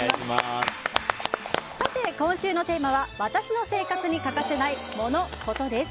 今週のテーマは私の生活に欠かせないモノ・コトです。